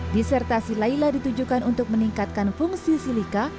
disertasi laila ditujukan untuk meningkatkan fungsi silika